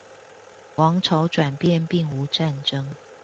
王朝轉變並無戰爭